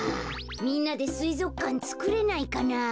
みんなですいぞくかんつくれないかな。